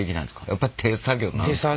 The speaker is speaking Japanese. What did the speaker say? やっぱり手作業になる？